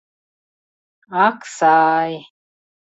Ак са-ай!..